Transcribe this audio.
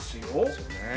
そうね。